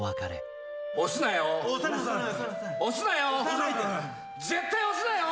押すなよ！